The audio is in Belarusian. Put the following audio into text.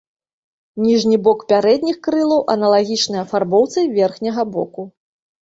Ніжні бок пярэдніх крылаў аналагічны афарбоўцы верхняга боку.